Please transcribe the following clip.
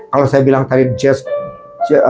kalau saya bilang tadi jazz